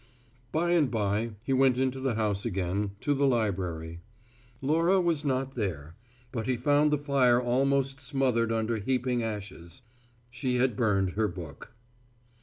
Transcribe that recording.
By and by, he went into the house again, to the library. Laura was not there, but he found the fire almost smothered under heaping ashes. She had burned her book.